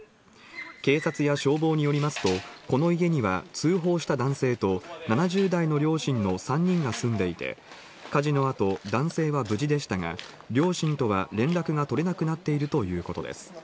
警察や消防によりますと、この家には通報した男性と７０代の両親の３人が住んでいて、火事の後、男性は無事でしたが、両親とは連絡が取れなくなっているということです。